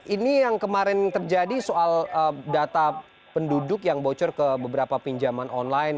ini yang kemarin terjadi soal data penduduk yang bocor ke beberapa pinjaman online